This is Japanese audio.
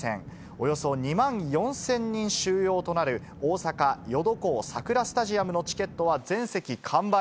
およそ２万４０００人収容となる大阪・ヨドコウ桜スタジアムのチケットは全席完売。